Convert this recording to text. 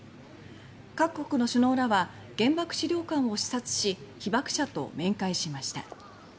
各国の首脳らは原爆資料館を視察し被爆者と面会しました。